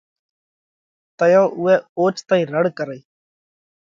تئيون اُوئہ اوچتئِي رڙ ڪرئِي۔